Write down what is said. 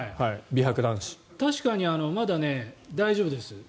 確かにまだ大丈夫です。